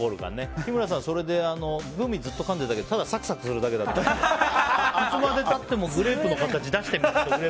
日村さん、それでグミずっとかんでたけどただサクサクするだけでいつまで経ってもグレープの形が残ってて。